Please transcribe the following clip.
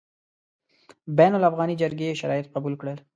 بین الافغاني جرګې شرایط قبول کړل.